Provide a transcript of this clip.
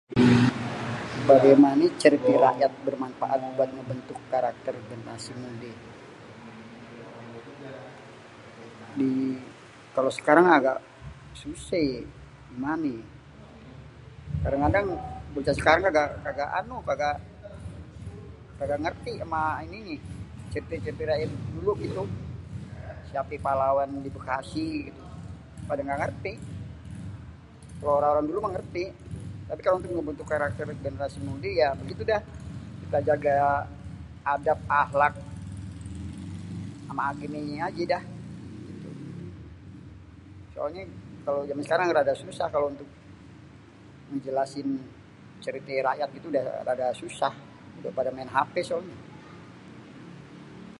"""Bagaimana cerité rakyat bermanfaat buat membentuk karakter generasi mudé?"", kalo sekarang agak suséh ye gimané yé. Kadang-kadang bocah sekarang kagak anu kagak ngerti ama ini nih cerité-ceité rakyat dulu gitu. Siapé pahlawan di Bekasi? pada ngga ngerti. Kalo orang-orang dulu mah ngerti tapi untuk ngebentuk karakter generasi muda ya gitu dah. Kita jaga adab, akhlak, ame agemenya ajé dah soalnya kalo jaman sekarang rada susah kalo untuk ngejelasin cerité rakyat gitu udah rada susah, udah pada main hapé soalnya."